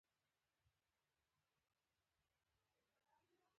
پسه د افغانستان د سیلګرۍ یوه ښه برخه ده.